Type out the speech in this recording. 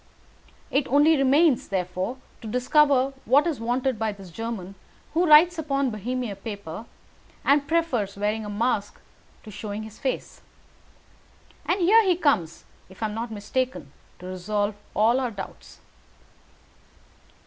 It only remains, therefore, to discover what is wanted by this German who writes upon Bohemian paper, and prefers wearing a mask to showing his face. And here he comes, if I am not mistaken, to resolve all our doubts."